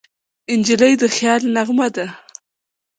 نجلۍ د خیال نغمه ده.